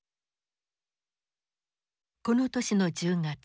この年の１０月。